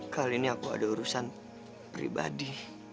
kali ini aku ada urusan pribadi